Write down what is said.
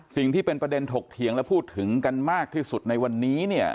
สิ่งที่เป็นประเด็นถกเถียงและพูดถึงกันมากที่สุดในวันนี้เนี่ย